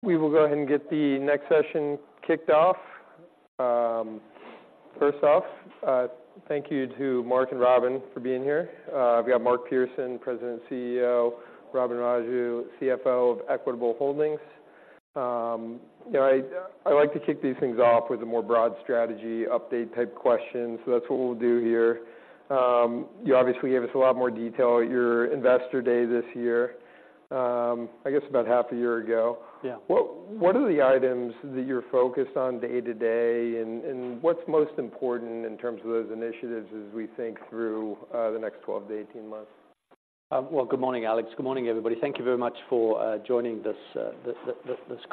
We will go ahead and get the next session kicked off. First off, thank you to Mark and Robin for being here. We've got Mark Pearson, President and CEO, Robin Raju, CFO of Equitable Holdings. You know, I like to kick these things off with a more broad strategy, update type question, so that's what we'll do here. You obviously gave us a lot more detail at your Investor Day this year, I guess about half a year ago. Yeah. What, what are the items that you're focused on day-to-day, and, and what's most important in terms of those initiatives as we think through the next 12-18 months? Well, good morning, Alex. Good morning, everybody. Thank you very much for joining this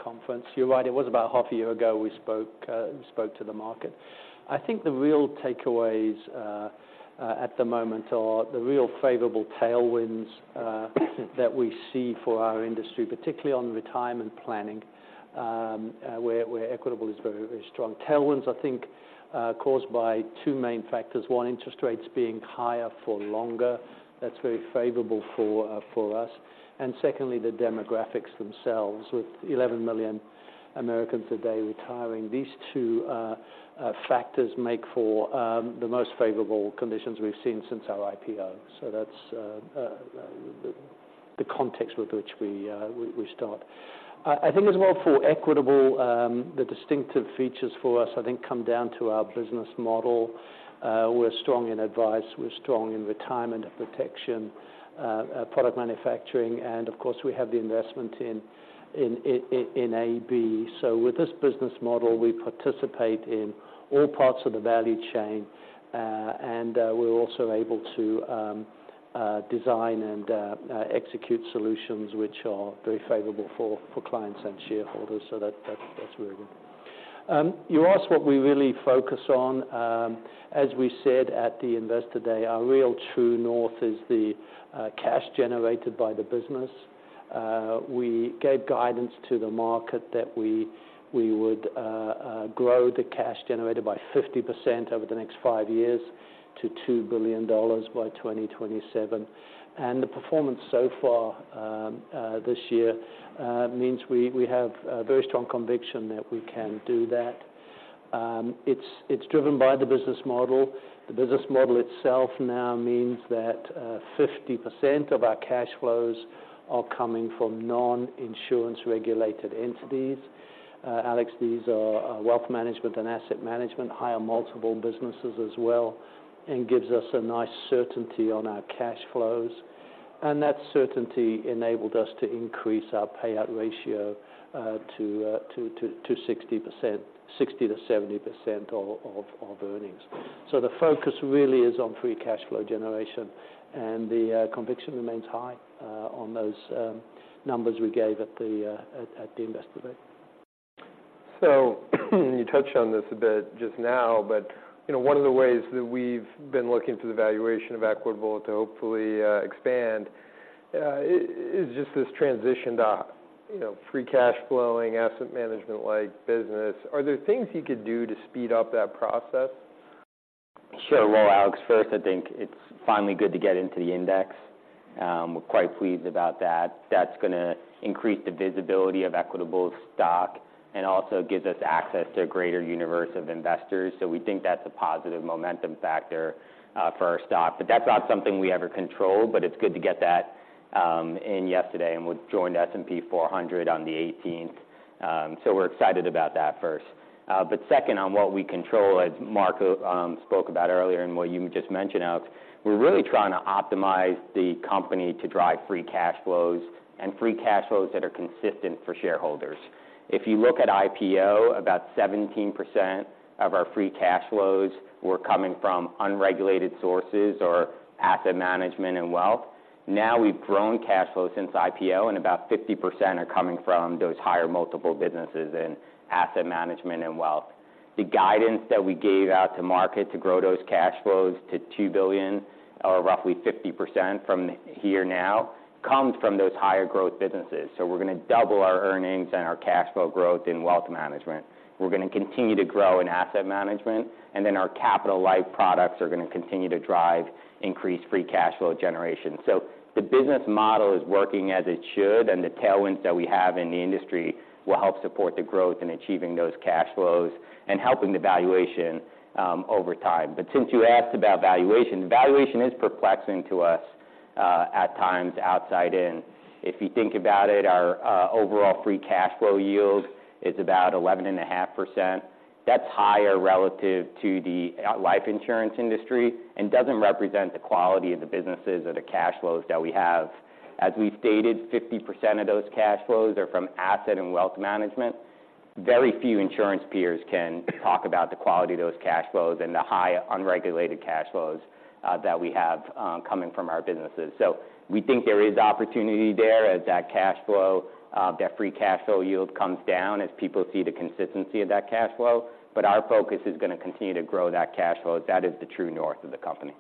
conference. You're right, it was about half a year ago we spoke to the market. I think the real takeaways at the moment are the real favorable tailwinds that we see for our industry, particularly on retirement planning, where Equitable is very, very strong. Tailwinds, I think, are caused by two main factors: one, interest rates being higher for longer. That's very favorable for us, and secondly, the demographics themselves. With 11,000,000 Americans today retiring, these two factors make for the most favorable conditions we've seen since our IPO. So that's the context with which we start. I think as well, for Equitable, the distinctive features for us, I think, come down to our business model. We're strong in advice, we're strong in retirement protection, product manufacturing, and of course, we have the investment in AB. So with this business model, we participate in all parts of the value chain, and we're also able to design and execute solutions which are very favorable for clients and shareholders. So that, that's really good. You asked what we really focus on. As we said at the Investor Day, our real true north is the cash generated by the business. We gave guidance to the market that we would grow the cash generated by 50% over the next five years to $2 billion by 2027. The performance so far this year means we have a very strong conviction that we can do that. It's driven by the business model. The business model itself now means that 50% of our cash flows are coming from non-insurance regulated entities. Alex, these are wealth management and asset management, higher multiple businesses as well, and gives us a nice certainty on our cash flows. And that certainty enabled us to increase our payout ratio to 60%, 60%-70% of earnings. So the focus really is on free cash flow generation, and the conviction remains high on those numbers we gave at the Investor Day. You touched on this a bit just now, but, you know, one of the ways that we've been looking to the valuation of Equitable to hopefully, expand, is just this transition to, you know, free cash flowing, asset management-like business. Are there things you could do to speed up that process? Sure. Well, Alex, first, I think it's finally good to get into the index. We're quite pleased about that. That's gonna increase the visibility of Equitable's stock and also gives us access to a greater universe of investors. So we think that's a positive momentum factor for our stock. But that's not something we ever controlled, but it's good to get that in yesterday, and we've joined S&P 400 on the 18th. So we're excited about that first. But second, on what we control, as Mark spoke about earlier and what you just mentioned, Alex, we're really trying to optimize the company to drive free cash flows and free cash flows that are consistent for shareholders. If you look at IPO, about 17% of our free cash flows were coming from unregulated sources or asset management and wealth. Now, we've grown cash flows since IPO, and about 50% are coming from those higher multiple businesses in asset management and wealth. The guidance that we gave out to market to grow those cash flows to $2 billion, or roughly 50% from here now, comes from those higher growth businesses. So we're going to double our earnings and our cash flow growth in wealth management. We're going to continue to grow in asset management, and then our capital-light products are going to continue to drive increased free cash flow generation. So the business model is working as it should, and the tailwinds that we have in the industry will help support the growth in achieving those cash flows and helping the valuation over time. But since you asked about valuation, valuation is perplexing to us at times outside in. If you think about it, our overall free cash flow yield is about 11.5%. That's higher relative to the life insurance industry and doesn't represent the quality of the businesses or the cash flows that we have. As we've stated, 50% of those cash flows are from asset and wealth management. Very few insurance peers can talk about the quality of those cash flows and the high unregulated cash flows that we have coming from our businesses. So we think there is opportunity there as that cash flow that free cash flow yield comes down as people see the consistency of that cash flow. But our focus is going to continue to grow that cash flow. That is the true north of the company.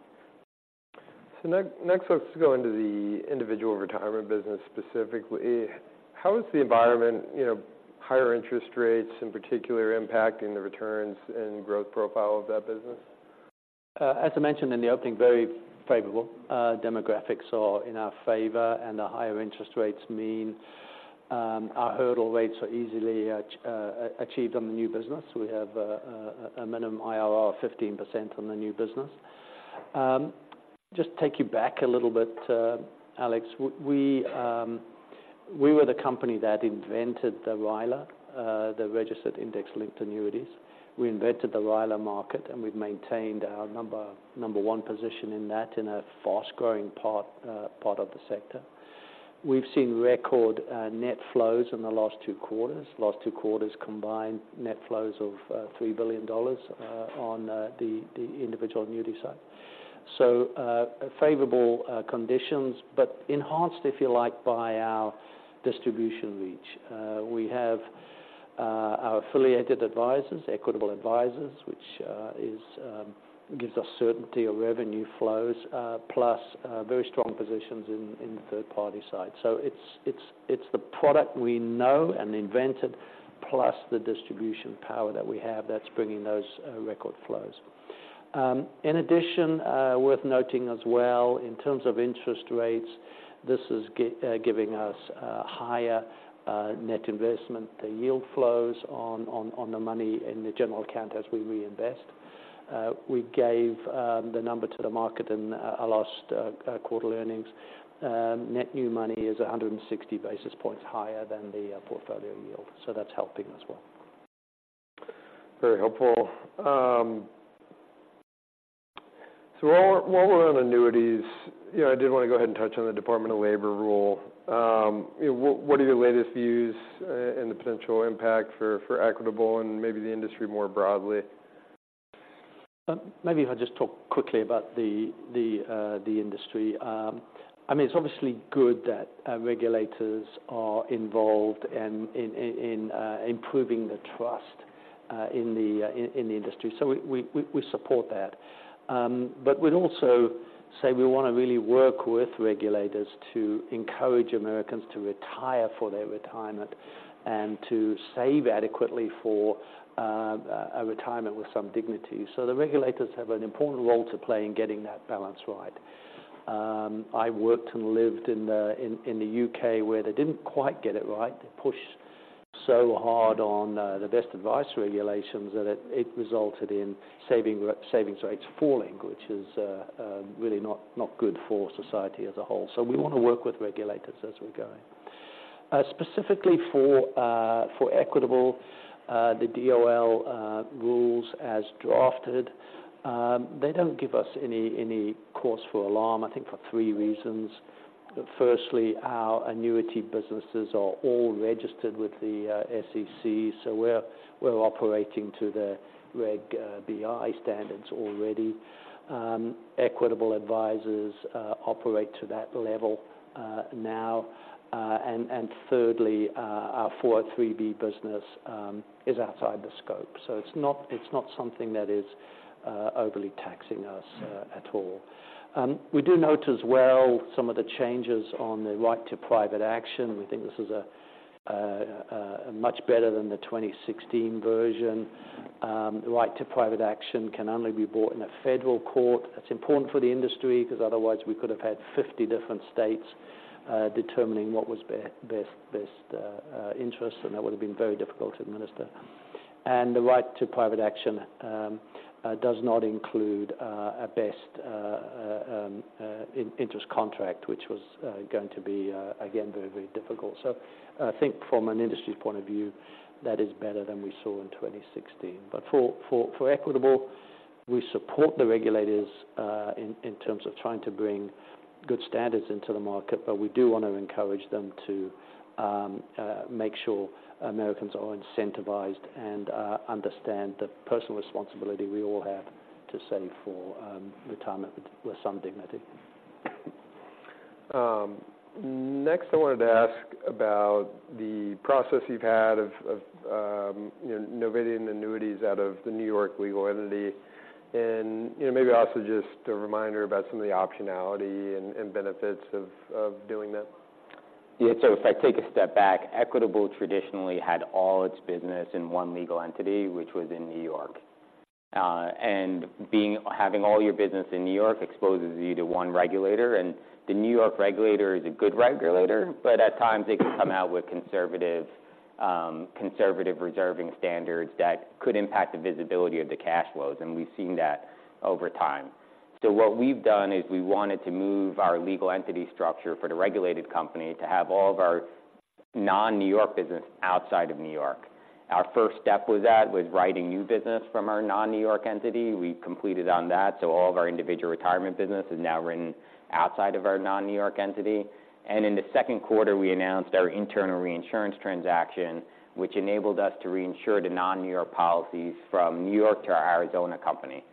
Next, let's go into the individual retirement business specifically. How is the environment, you know, higher interest rates in particular, impacting the returns and growth profile of that business? As I mentioned in the opening, very favorable demographics are in our favor, and the higher interest rates mean our hurdle rates are easily achieved on the new business. We have a minimum IRR of 15% on the new business. Just take you back a little bit, Alex, we were the company that invented the RILA, the registered index-linked annuities. We invented the RILA market, and we've maintained our number one position in that, in a fast-growing part of the sector. We've seen record net flows in the last two quarters. Last two quarters combined, net flows of $3 billion on the individual annuity side. So, favorable conditions, but enhanced, if you like, by our distribution reach. We have our affiliated advisors, Equitable Advisors, which gives us certainty of revenue flows, plus very strong positions in the third party side. So it's the product we know and invented, plus the distribution power that we have that's bringing those record flows. In addition, worth noting as well, in terms of interest rates, this is giving us higher net investment yield flows on the money in the general account as we reinvest. We gave the number to the market in our last quarter earnings. Net new money is 160 basis points higher than the portfolio yield, so that's helping as well. Very helpful. So while we're on annuities, you know, I did want to go ahead and touch on the Department of Labor rule. You know, what are your latest views in the potential impact for Equitable and maybe the industry more broadly? Maybe if I just talk quickly about the industry. I mean, it's obviously good that regulators are involved in improving the trust in the industry, so we support that. But we'd also say we want to really work with regulators to encourage Americans to retire for their retirement and to save adequately for a retirement with some dignity. So the regulators have an important role to play in getting that balance right. I worked and lived in the U.K., where they didn't quite get it right. They pushed so hard on the best advice regulations that it resulted in savings rates falling, which is really not good for society as a whole, so we want to work with regulators as we're going. Specifically for Equitable, the DOL rules as drafted, they don't give us any cause for alarm, I think for three reasons. Firstly, our annuity businesses are all registered with the SEC, so we're operating to the Reg BI standards already. Equitable Advisors operate to that level now. And thirdly, our 403(b) business is outside the scope, so it's not something that is overly taxing us at all. We do note as well some of the changes on the right to private action. We think this is a much better than the 2016 version. The right to private action can only be brought in a federal court. That's important for the industry, 'cause otherwise we could have had 50 different states determining what was best interest, and that would have been very difficult to administer. And the right to private action does not include a best interest contract, which was going to be again very, very difficult. So I think from an industry point of view, that is better than we saw in 2016. But for Equitable, we support the regulators in terms of trying to bring good standards into the market, but we do want to encourage them to make sure Americans are incentivized and understand the personal responsibility we all have to save for retirement with some dignity. Next, I wanted to ask about the process you've had of you know, novating the annuities out of the New York legal entity. You know, maybe also just a reminder about some of the optionality and benefits of doing that. Yeah, so if I take a step back, Equitable traditionally had all its business in one legal entity, which was in New York. And having all your business in New York exposes you to one regulator, and the New York regulator is a good regulator, but at times they can come out with conservative, conservative reserving standards that could impact the visibility of the cash flows, and we've seen that over time. So what we've done is we wanted to move our legal entity structure for the regulated company to have all of our non-New York business outside of New York. Our first step was that, writing new business from our non-New York entity. We completed on that, so all of our individual retirement business is now written outside of our non-New York entity. In the second quarter, we announced our internal reinsurance transaction, which enabled us to reinsure the non-New York policies from New York to our Arizona company.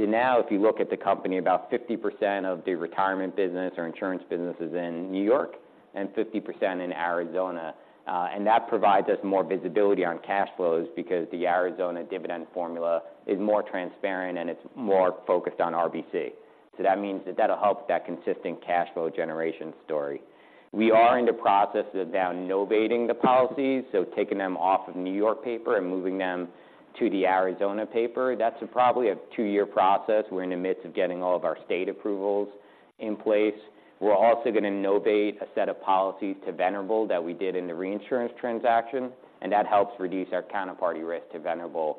So now, if you look at the company, about 50% of the retirement business or insurance business is in New York and 50% in Arizona. And that provides us more visibility on cash flows because the Arizona dividend formula is more transparent, and it's more focused on RBC.... So that means that that'll help that consistent cash flow generation story. We are in the process of now novating the policies, so taking them off of New York Paper and moving them to the Arizona Paper. That's probably a two-year process. We're in the midst of getting all of our state approvals in place. We're also going to novate a set of policies to Venerable that we did in the reinsurance transaction, and that helps reduce our counterparty risk to Venerable,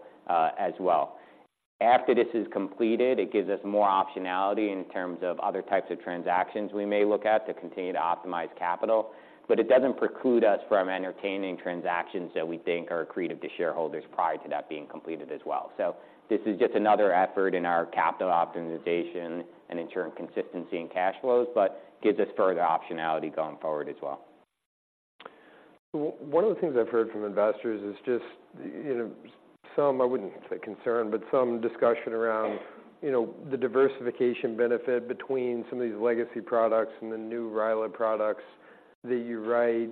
as well. After this is completed, it gives us more optionality in terms of other types of transactions we may look at to continue to optimize capital, but it doesn't preclude us from entertaining transactions that we think are accretive to shareholders prior to that being completed as well. So this is just another effort in our capital optimization and ensuring consistency in cash flows, but gives us further optionality going forward as well. One of the things I've heard from investors is just, you know, some, I wouldn't say concern, but some discussion around, you know, the diversification benefit between some of these legacy products and the new RILA products that you write.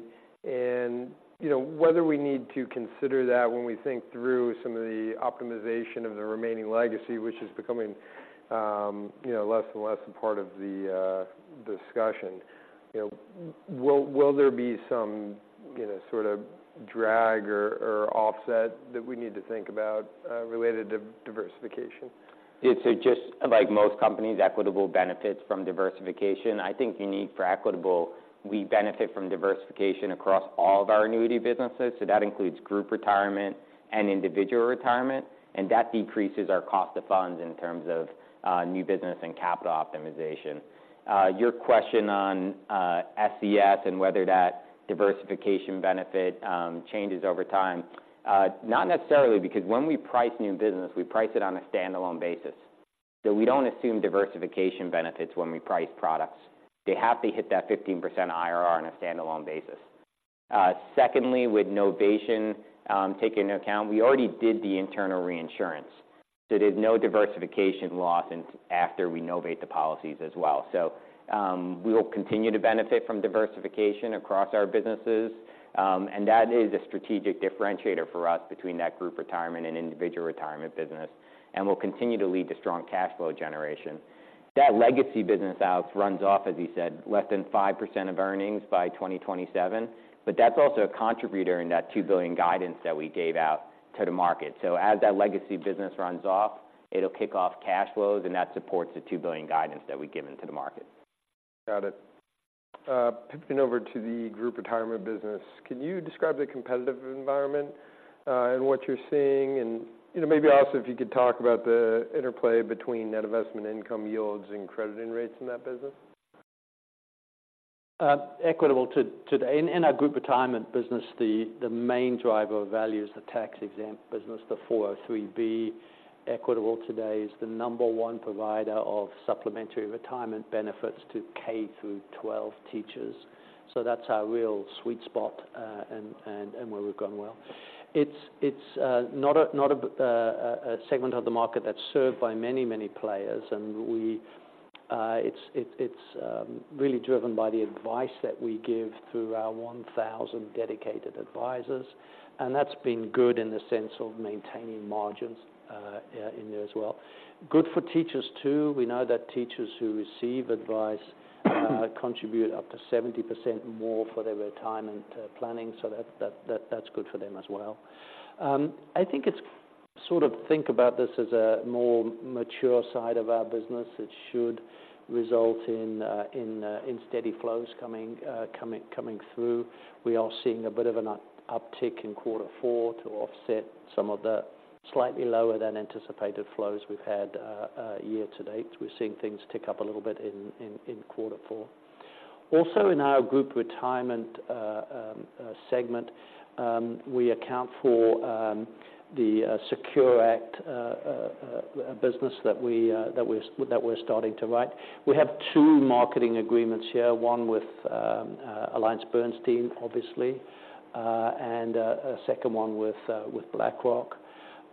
And, you know, whether we need to consider that when we think through some of the optimization of the remaining legacy, which is becoming, you know, less and less a part of the discussion. You know, will there be some, you know, sort of drag or offset that we need to think about related to diversification? It's just like most companies, Equitable benefits from diversification. I think unique for Equitable, we benefit from diversification across all of our annuity businesses, so that includes group retirement and individual retirement, and that decreases our cost of funds in terms of, new business and capital optimization. Your question on, SCS and whether that diversification benefit, changes over time, not necessarily, because when we price new business, we price it on a standalone basis. So we don't assume diversification benefits when we price products. They have to hit that 15% IRR on a standalone basis. Secondly, with novation, take into account, we already did the internal reinsurance. There is no diversification loss in- after we novate the policies as well. We will continue to benefit from diversification across our businesses, and that is a strategic differentiator for us between that group retirement and individual retirement business, and will continue to lead to strong cash flow generation. That legacy business, Alex, runs off, as you said, less than 5% of earnings by 2027, but that's also a contributor in that $2 billion guidance that we gave out to the market. As that legacy business runs off, it'll kick off cash flows, and that supports the $2 billion guidance that we've given to the market. Got it. Pivoting over to the group retirement business, can you describe the competitive environment, and what you're seeing? You know, maybe also if you could talk about the interplay between net investment income yields and crediting rates in that business? Equitable today, in our group retirement business, the main driver of value is the tax-exempt business, the 403(b). Equitable today is the number one provider of supplementary retirement benefits to K-12 teachers. So that's our real sweet spot, and where we've gone well. It's not a segment of the market that's served by many players, and we... It's really driven by the advice that we give through our 1,000 dedicated advisors, and that's been good in the sense of maintaining margins, yeah, in there as well. Good for teachers, too. We know that teachers who receive advice contribute up to 70% more for their retirement planning, so that's good for them as well. I think it's sort of think about this as a more mature side of our business that should result in steady flows coming through. We are seeing a bit of an uptick in quarter four to offset some of the slightly lower than anticipated flows we've had year to date. We're seeing things tick up a little bit in quarter four. Also, in our group retirement segment, we account for the SECURE Act business that we're starting to write. We have two marketing agreements here, one with AllianceBernstein, obviously, and a second one with BlackRock.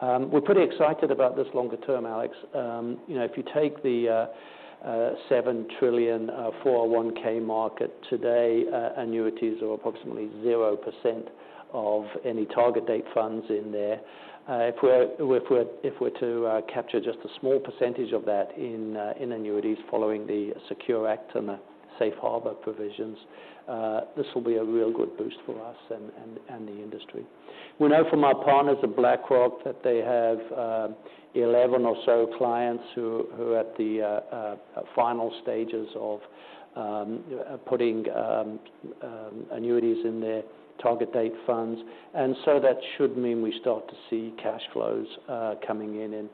We're pretty excited about this longer term, Alex. You know, if you take the $7 trillion 401(k) market today, annuities are approximately 0% of any target date funds in there. If we're to capture just a small percentage of that in annuities following the SECURE Act and the safe harbor provisions, this will be a real good boost for us and the industry. We know from our partners at BlackRock that they have 11 or so clients who are at the final stages of putting annuities in their target date funds. And so that should mean we start to see cash flows coming in in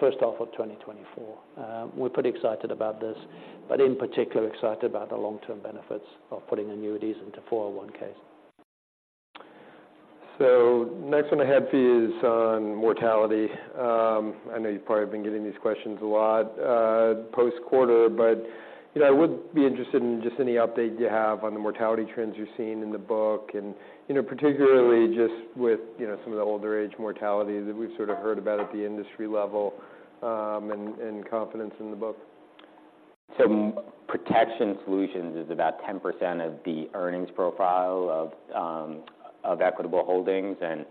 first half of 2024. We're pretty excited about this, but in particular, excited about the long-term benefits of putting annuities into 401(k)s. Next one I have for you is on mortality. I know you've probably been getting these questions a lot post-quarter, but you know, I would be interested in just any update you have on the mortality trends you're seeing in the book. And you know, particularly just with you know, some of the older age mortality that we've sort of heard about at the industry level, and confidence in the book. Protection solutions is about 10% of the earnings profile of Equitable Holdings, and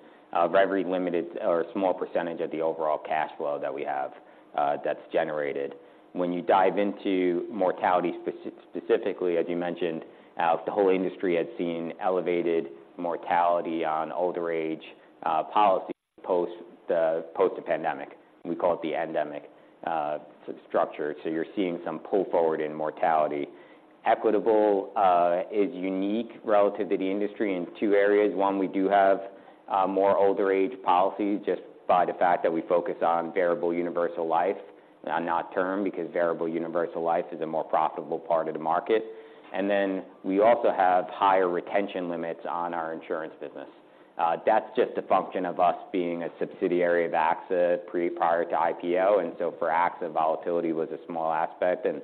very limited or a small percentage of the overall cash flow that we have that's generated. When you dive into mortality specifically, as you mentioned, the whole industry had seen elevated mortality on older age policy post the pandemic. We call it the endemic structure. So you're seeing some pull forward in mortality. Equitable is unique relative to the industry in two areas. One, we do have more older age policy just by the fact that we focus on variable universal life, and not term, because variable universal life is a more profitable part of the market. And then we also have higher retention limits on our insurance business. That's just a function of us being a subsidiary of AXA pre, prior to IPO, and so for AXA, volatility was a small aspect, and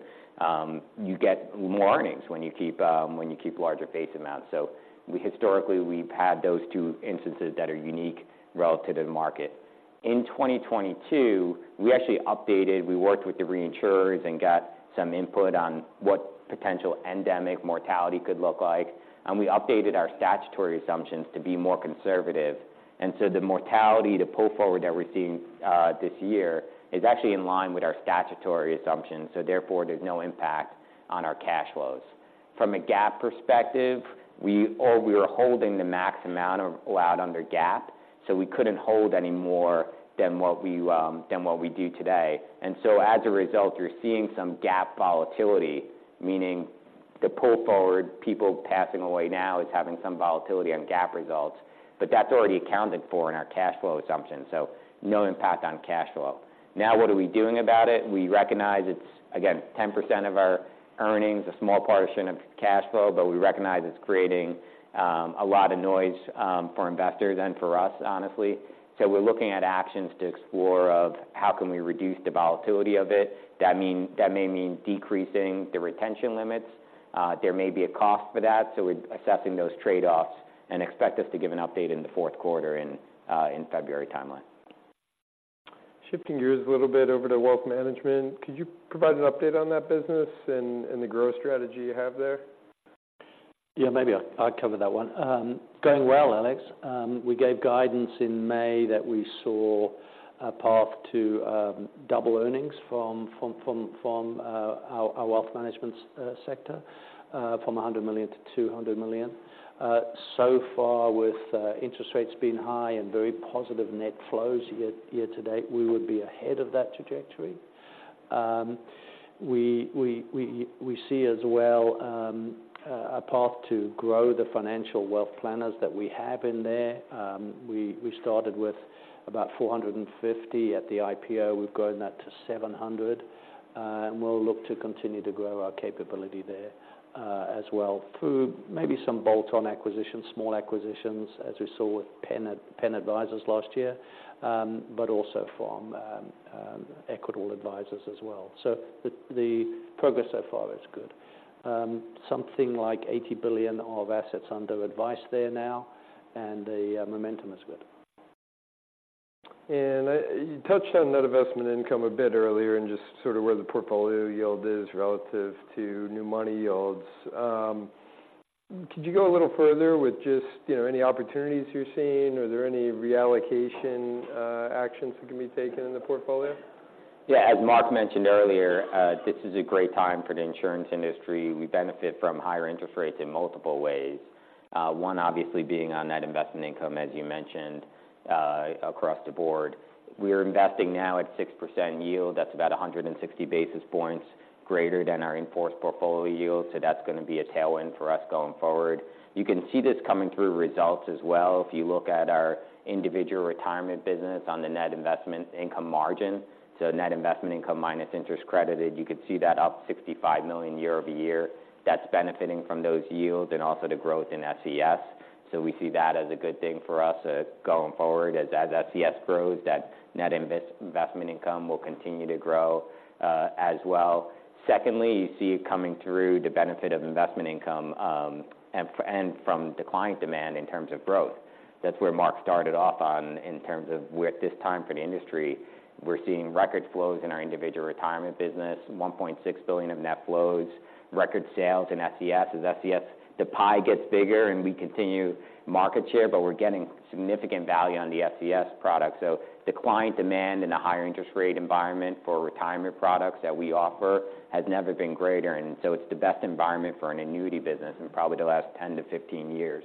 you get warnings when you keep larger face amounts. So historically, we've had those two instances that are unique relative to the market. In 2022, we actually updated, we worked with the reinsurers and got some input on what potential endemic mortality could look like, and we updated our statutory assumptions to be more conservative. And so the mortality, the pull forward that we're seeing this year, is actually in line with our statutory assumptions, so therefore, there's no impact on our cash flows. From a GAAP perspective, we or we were holding the max amount of allowed under GAAP, so we couldn't hold any more than what we than what we do today. As a result, you're seeing some GAAP volatility, meaning the pull forward, people passing away now is having some volatility on GAAP results, but that's already accounted for in our cash flow assumptions, so no impact on cash flow. Now, what are we doing about it? We recognize it's, again, 10% of our earnings, a small portion of cash flow, but we recognize it's creating a lot of noise for investors and for us, honestly. So we're looking at actions to explore of how can we reduce the volatility of it. That may mean decreasing the retention limits. There may be a cost for that, so we're assessing those trade-offs, and expect us to give an update in the fourth quarter in February timeline. Shifting gears a little bit over to wealth management, could you provide an update on that business and the growth strategy you have there? Yeah, maybe I'll, I'll cover that one. Going well, Alex. We gave guidance in May that we saw a path to double earnings from our wealth management sector from $100 million to $200 million. So far, with interest rates being high and very positive net flows year to date, we would be ahead of that trajectory. We see as well a path to grow the financial wealth planners that we have in there. We started with about 450 at the IPO. We've grown that to 700, and we'll look to continue to grow our capability there, as well, through maybe some bolt-on acquisitions, small acquisitions, as we saw with Penn Advisors last year, but also from Equitable Advisors as well. So the progress so far is good. Something like $80 billion of assets under advice there now, and the momentum is good. You touched on net investment income a bit earlier and just sort of where the portfolio yield is relative to new money yields. Could you go a little further with just, you know, any opportunities you're seeing? Are there any reallocation actions that can be taken in the portfolio? Yeah, as Mark mentioned earlier, this is a great time for the insurance industry. We benefit from higher interest rates in multiple ways. One obviously being on net investment income, as you mentioned, across the board. We are investing now at 6% yield. That's about 160 basis points greater than our in-force portfolio yield, so that's gonna be a tailwind for us going forward. You can see this coming through results as well. If you look at our individual retirement business on the net investment income margin, so net investment income minus interest credited, you could see that up $65 million year-over-year. That's benefiting from those yields and also the growth in SCS. So we see that as a good thing for us, going forward. As SCS grows, that net investment income will continue to grow as well. Secondly, you see it coming through the benefit of investment income and from the client demand in terms of growth. That's where Mark started off on in terms of we're at this time for the industry, we're seeing record flows in our individual retirement business, $1.6 billion of net flows, record sales in SCS. As SCS, the pie gets bigger and we continue market share, but we're getting significant value on the SCS product. So the client demand and the higher interest rate environment for retirement products that we offer has never been greater, and so it's the best environment for an annuity business in probably the last 10-15 years.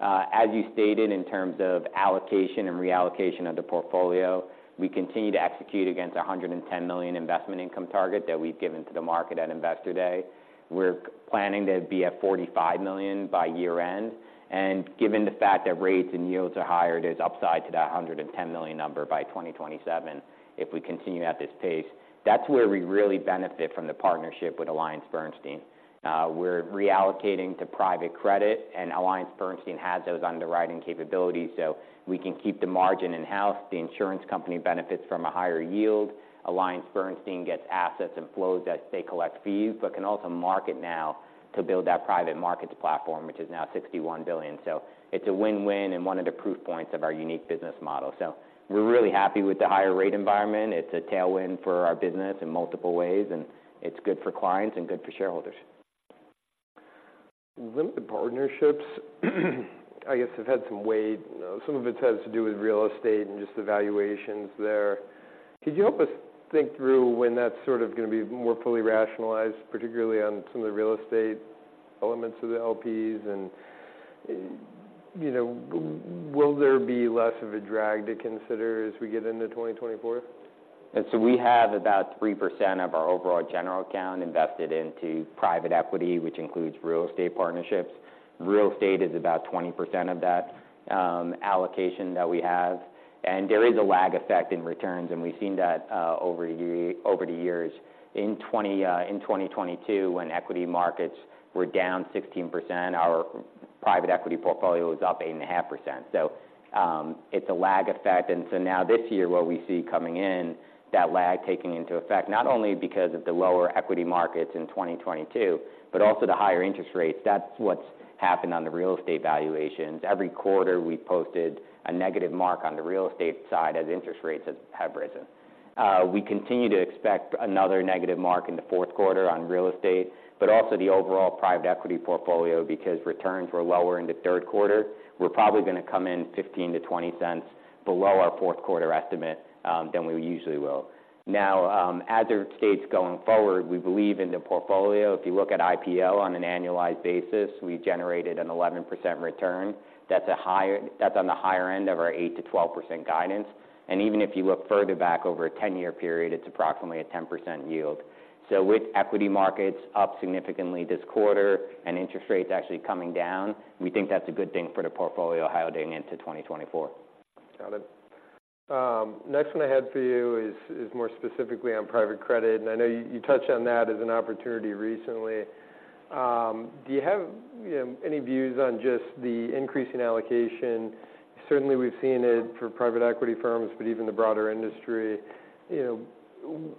As you stated, in terms of allocation and reallocation of the portfolio, we continue to execute against the $110 million investment income target that we've given to the market at Investor Day. We're planning to be at $45 million by year-end, and given the fact that rates and yields are higher, there's upside to that $110 million number by 2027 if we continue at this pace. That's where we really benefit from the partnership with AllianceBernstein. We're reallocating to private credit, and AllianceBernstein has those underwriting capabilities, so we can keep the margin in-house. The insurance company benefits from a higher yield. AllianceBernstein gets assets and flows as they collect fees, but can also market now to build that private markets platform, which is now $61 billion. So it's a win-win and one of the proof points of our unique business model. So we're really happy with the higher rate environment. It's a tailwind for our business in multiple ways, and it's good for clients and good for shareholders. Limited partnerships, I guess, have had some weight. Some of it has to do with real estate and just the valuations there. Could you help us think through when that's sort of gonna be more fully rationalized, particularly on some of the real estate elements of the LPs? And, you know, will there be less of a drag to consider as we get into 2024? We have about 3% of our overall general account invested into private equity, which includes real estate partnerships. Real estate is about 20% of that allocation that we have. And there is a lag effect in returns, and we've seen that over the year, over the years. In 2022, when equity markets were down 16%, our private equity portfolio was up 8.5%. So, it's a lag effect. And so now this year, what we see coming in, that lag taking into effect, not only because of the lower equity markets in 2022, but also the higher interest rates. That's what's happened on the real estate valuations. Every quarter, we've posted a negative mark on the real estate side as interest rates have risen. We continue to expect another negative mark in the fourth quarter on real estate, but also the overall private equity portfolio, because returns were lower in the third quarter. We're probably gonna come in $0.15-$0.20 below our fourth quarter estimate, than we usually will. Now, as it states going forward, we believe in the portfolio. If you look at IPL on an annualized basis, we generated an 11% return. That's on the higher end of our 8%-12% guidance, and even if you look further back over a 10-year period, it's approximately a 10% yield. So with equity markets up significantly this quarter and interest rates actually coming down, we think that's a good thing for the portfolio heading into 2024. Got it. Next one I had for you is, is more specifically on private credit, and I know you, you touched on that as an opportunity recently. Do you have, any views on just the increase in allocation? Certainly, we've seen it for private equity firms, but even the broader industry. You know,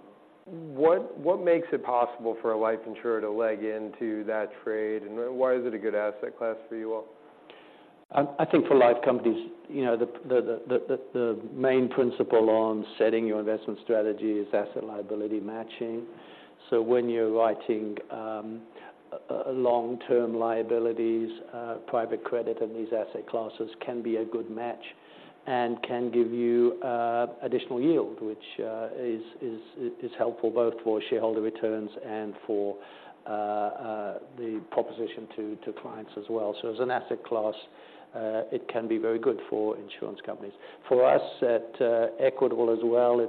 what, what makes it possible for a life insurer to leg into that trade, and why is it a good asset class for you all? I think for life companies, you know, the main principle on setting your investment strategy is asset liability matching. So when you're writing long-term liabilities, private credit and these asset classes can be a good match and can give you additional yield, which is helpful both for shareholder returns and for the proposition to clients as well. So as an asset class, it can be very good for insurance companies. For us at Equitable as well,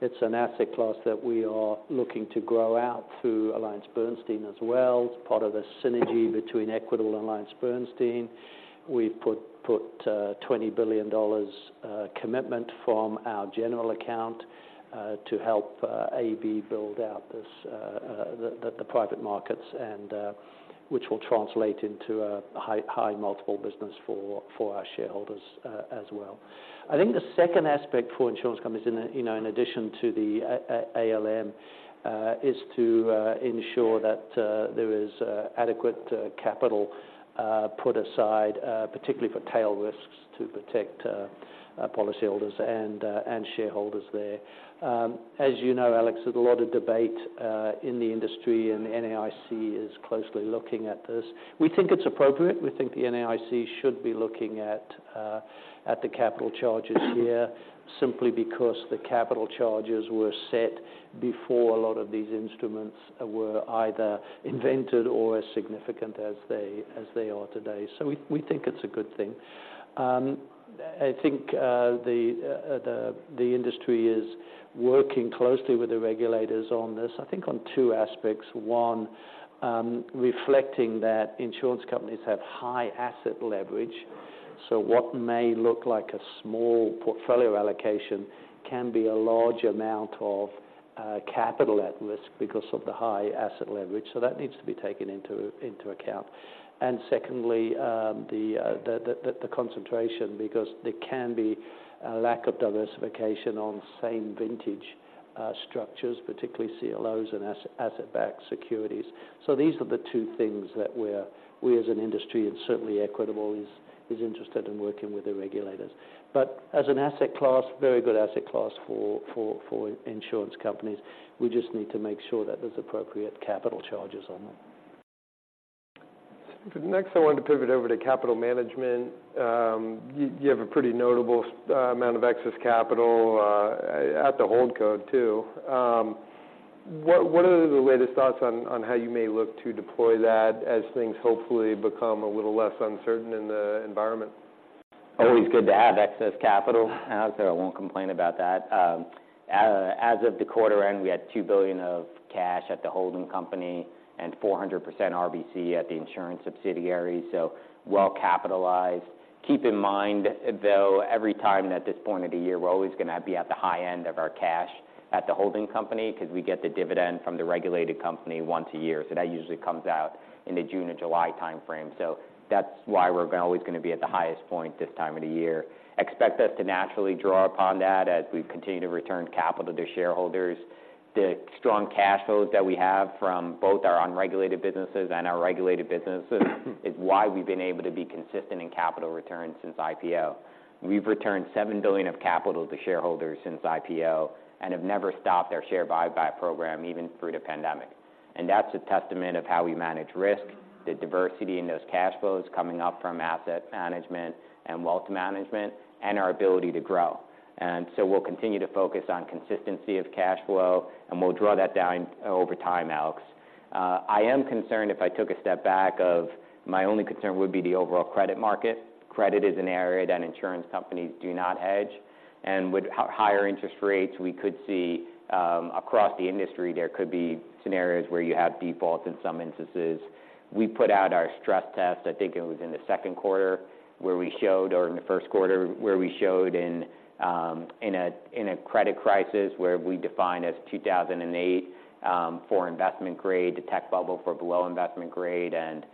it's an asset class that we are looking to grow out through AllianceBernstein as well. It's part of the synergy between Equitable and AllianceBernstein. We've put $20 billion commitment from our general account to help AB build out this, the private markets, and which will translate into a high multiple business for our shareholders as well. I think the second aspect for insurance companies in the, you know, in addition to the ALM is to ensure that there is adequate capital put aside particularly for tail risks to protect policyholders and shareholders there. As you know, Alex, there's a lot of debate in the industry, and the NAIC is closely looking at this. We think it's appropriate. We think the NAIC should be looking at the capital charges here, simply because the capital charges were set before a lot of these instruments were either invented or as significant as they are today. So we think it's a good thing. I think the industry is working closely with the regulators on this, I think, on two aspects. One, reflecting that insurance companies have high asset leverage. So what may look like a small portfolio allocation can be a large amount of capital at risk because of the high asset leverage. So that needs to be taken into account. And secondly, the concentration, because there can be a lack of diversification on same vintage structures, particularly CLOs and asset-backed securities. So these are the two things that we as an industry, and certainly Equitable, is interested in working with the regulators. But as an asset class, very good asset class for insurance companies. We just need to make sure that there's appropriate capital charges on them. Next, I wanted to pivot over to capital management. You have a pretty notable amount of excess capital at the holdco too. What are the latest thoughts on how you may look to deploy that as things hopefully become a little less uncertain in the environment? Always good to have excess capital, so I won't complain about that. As of the quarter end, we had $2 billion of cash at the holding company and 400% RBC at the insurance subsidiary, so well capitalized. Keep in mind, though, every time at this point of the year, we're always gonna be at the high end of our cash at the holding company because we get the dividend from the regulated company once a year. So that usually comes out in the June or July timeframe. So that's why we're always gonna be at the highest point this time of the year. Expect us to naturally draw upon that as we continue to return capital to shareholders. The strong cash flows that we have from both our unregulated businesses and our regulated businesses is why we've been able to be consistent in capital returns since IPO. We've returned $7 billion of capital to shareholders since IPO and have never stopped our share buyback program, even through the pandemic and that's a testament of how we manage risk, the diversity in those cash flows coming up from asset management and wealth management, and our ability to grow. And so we'll continue to focus on consistency of cash flow, and we'll draw that down over time, Alex. I am concerned, if I took a step back, of my only concern would be the overall credit market. Credit is an area that insurance companies do not hedge, and with higher interest rates, we could see... Across the industry, there could be scenarios where you have defaults in some instances. We put out our stress test, I think it was in the second quarter, where we showed, or in the first quarter, where we showed in a credit crisis, where we define as 2008 for investment grade, the tech bubble for below investment grade, and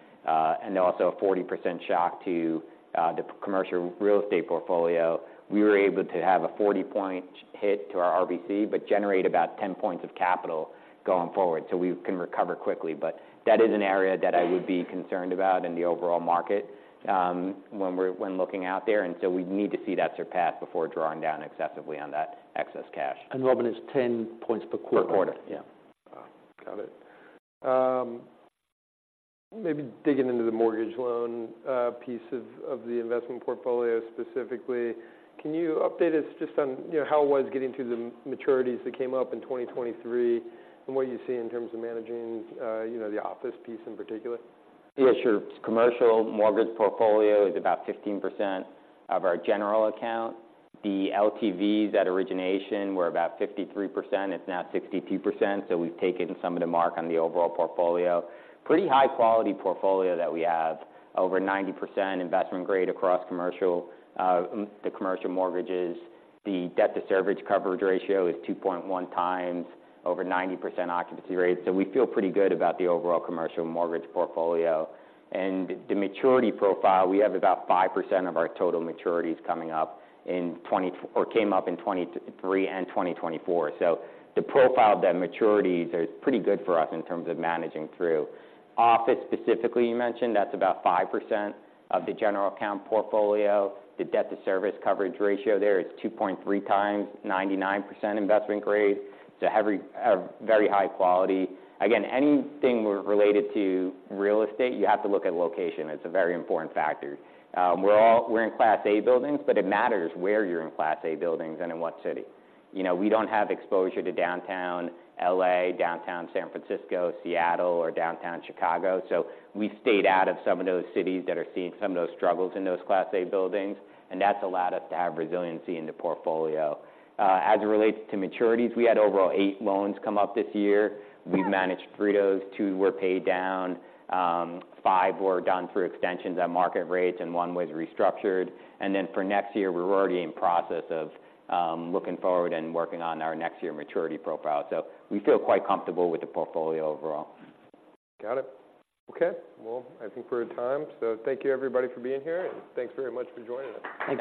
also a 40% shock to the commercial real estate portfolio. We were able to have a 40-point hit to our RBC, but generate about 10 points of capital going forward, so we can recover quickly. But that is an area that I would be concerned about in the overall market, when looking out there, and so we'd need to see that surpass before drawing down excessively on that excess cash. Robin, it's 10 points per quarter? Per quarter, yeah. Oh, got it. Maybe digging into the mortgage loan piece of the investment portfolio specifically. Can you update us just on, you know, how it was getting through the maturities that came up in 2023, and what you see in terms of managing, you know, the office piece in particular? Yes, sure. Commercial mortgage portfolio is about 15% of our general account. The LTVs at origination were about 53%, it's now 62%, so we've taken some of the mark on the overall portfolio. Pretty high-quality portfolio that we have. Over 90% investment grade across commercial, the commercial mortgages. The debt to coverage ratio is 2.1x, over 90% occupancy rate. So we feel pretty good about the overall commercial mortgage portfolio. And the maturity profile, we have about 5% of our total maturities coming up in or came up in 2023 and 2024. So the profile of the maturities are pretty good for us in terms of managing through. Office specifically, you mentioned, that's about 5% of the general account portfolio. The debt to service coverage ratio there is 2.3x, 99% investment grade, so very high quality. Again, anything related to real estate, you have to look at location. It's a very important factor. We're in Class A buildings, but it matters where you're in Class A buildings and in what city. You know, we don't have exposure to downtown LA, downtown San Francisco, Seattle, or downtown Chicago, so we stayed out of some of those cities that are seeing some of those struggles in those Class A buildings, and that's allowed us to have resiliency in the portfolio. As it relates to maturities, we had overall eight loans come up this year. We've managed through those. Two were paid down, five were done through extensions at market rates, and one was restructured. And then for next year, we're already in process of looking forward and working on our next year maturity profile. So we feel quite comfortable with the portfolio overall. Got it. Okay, well, I think we're at time, so thank you everybody for being here, and thanks very much for joining us. Thank you.